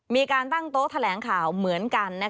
มีการตั้งโต๊ะแถลงข่าวเหมือนกัน